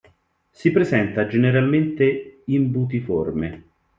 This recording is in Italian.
Si presenta generalmente imbutiforme.